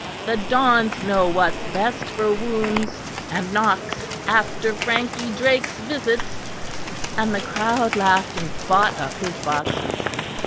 "The Dons know what's best for wounds and knocks after Frankie Drake's visit"; and the crowd laughed and bought up his boxes.